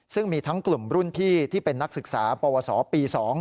ซึ่งมีทั้งกลุ่มรุ่นพี่ที่เป็นนักศึกษาปวสปี๒